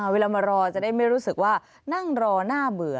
เวลามารอจะได้ไม่รู้สึกว่านั่งรอหน้าเบื่อ